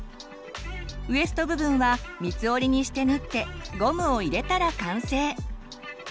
ウエスト部分は三つ折りにして縫ってゴムを入れたら完成。